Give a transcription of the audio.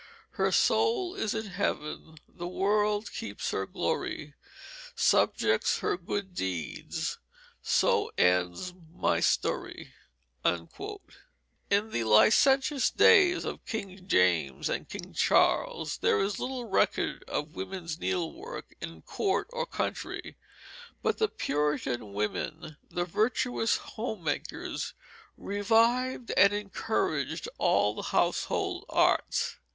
Her Soul is in Heaven, the World keeps her glory, Subjects her good deeds, so ends my Story." In the licentious days of King James and King Charles there is little record of women's needlework in court or country, but the Puritan women, the virtuous home makers, revived and encouraged all household arts.